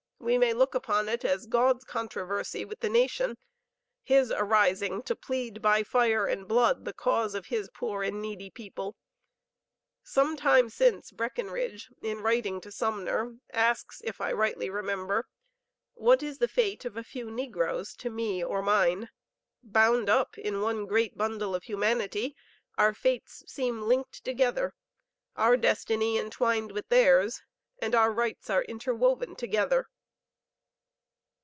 We may look upon it as God's controversy with the nation; His arising to plead by fire and blood the cause of His poor and needy people. Some time since Breckinridge, in writing to Sumner, asks, if I rightly remember, What is the fate of a few negroes to me or mine? Bound up in one great bundle of humanity our fates seem linked together, our destiny entwined with theirs, and our rights are interwoven together."